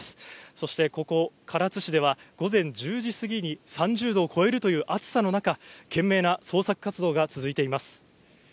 そして、ここ唐津市では午前１０時過ぎに３０℃を超えるという暑さの中、懸命な捜索活動が続いています。